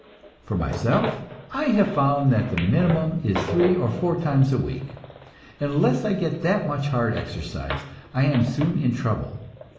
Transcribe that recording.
For myself, I have found that the minimum is three or four times a week. Unless I get that much hard exercise I am soon in trouble.